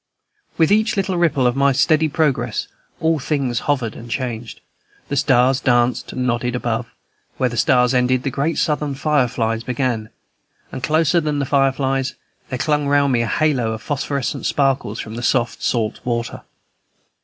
With each little ripple of my steady progress all things hovered and changed; the stars danced and nodded above; where the stars ended the great Southern fireflies began; and closer than the fireflies, there clung round me a halo of phosphorescent sparkles from the soft salt water.